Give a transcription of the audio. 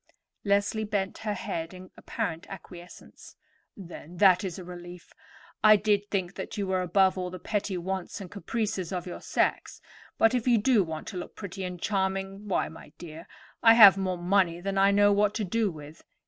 Leslie bent her head in apparent acquiescence. "Then, that is a relief. I did think that you were above all the petty wants and caprices of your sex; but if you do want to look pretty and charming, why, my dear, I have more money than I know what to do with.